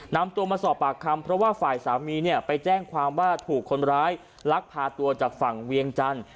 นำตัวมาสอบปากคำเพราะว่าฝ่ายสามีเนี่ยไปแจ้งความว่าถูกคนร้ายลักพาตัวจากฝั่งเวียงจันทร์